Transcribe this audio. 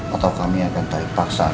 atau kami akan tarik paksaan